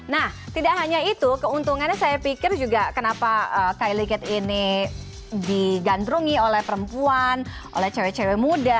nah tidak hanya itu keuntungannya saya pikir juga kenapa kylie kit ini digandrungi oleh perempuan oleh cewek cewek muda